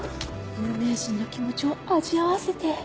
有名人の気持ちを味わわせて。